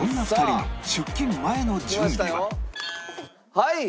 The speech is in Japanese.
はい！